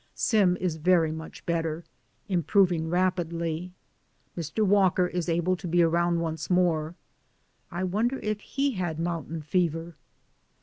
Sim is very much better, improving rap DAYS ON THE ROAD. 185 idly. Mr. Walker is able to be around once more. I wonder if he had mountain fever